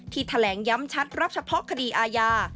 แถลงย้ำชัดรับเฉพาะคดีอาญา